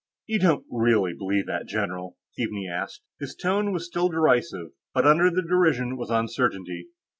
"You don't really believe that, general?" Keaveney asked. His tone was still derisive, but under the derision was uncertainty.